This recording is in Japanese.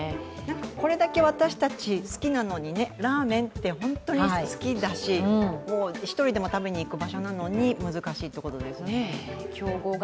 これだけ私たち好きなのに、ラーメンって本当に好きだし、１人でも食べに行く場所なのに難しいってことですよね。